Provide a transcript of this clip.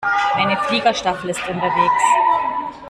Eine Fliegerstaffel ist unterwegs.